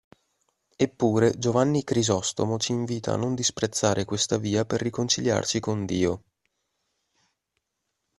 Eppure, Giovanni Crisostomo ci invita a non disprezzare questa via per riconciliarci con Dio.